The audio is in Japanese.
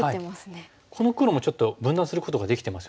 この黒もちょっと分断することができてますよね。